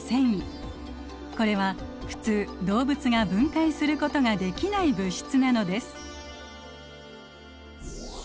これは普通動物が分解することができない物質なのです。